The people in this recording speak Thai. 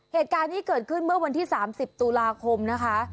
เหตุการณ์นี้เกิดขึ้นเมื่อวันที่๓๐ตุลาคมนะคะ